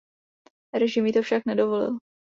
Režim jí to však nedovolil.